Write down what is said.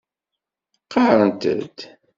Qarrent-d.